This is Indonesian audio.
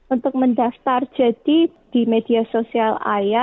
untuk mendaftar jadi di media sosial ayah